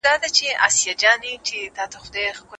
هغه په لوړ غږ خندل.